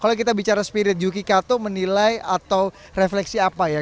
kalau kita bicara spirit juki kato menilai atau refleksi apa ya